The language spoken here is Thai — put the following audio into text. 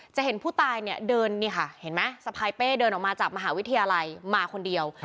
จะเห็นผู้ตายเดินสะพายเป้เดินออกมาจากมหาวิทยาลัยมาคนเดียว